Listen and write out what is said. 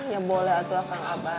ya boleh tuh akang abah